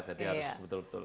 jadi harus betul betul